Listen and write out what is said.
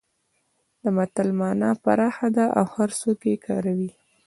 د متل مانا پراخه ده او هرڅوک یې کاروي